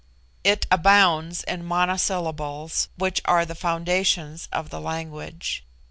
It abounds in monosyllables, which are the foundations of the language.